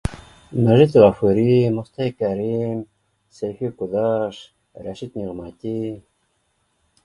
Мәжит Ғафури, Мостай Кәрим, Сәйфи Ҡудаш, Рәшит Ниғмәти